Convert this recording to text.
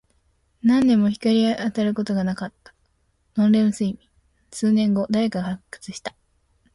何年も光が当たることなかった。ノンレム睡眠。数年後、誰かが発掘した。